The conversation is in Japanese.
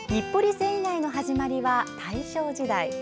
繊維街の始まりは大正時代。